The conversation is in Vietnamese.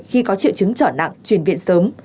khi có triệu chứng trở nặng chuyển viện sớm